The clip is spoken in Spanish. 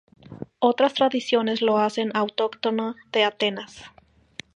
Otras tradiciones lo hacen autóctono de Atenas.